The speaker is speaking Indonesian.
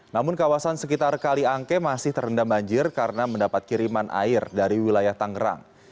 namun kawasan sekitar kaliangke masih terendam banjir karena mendapat kiriman air dari wilayah tangerang